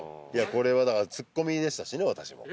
これはだからツッコミでしたしね私も。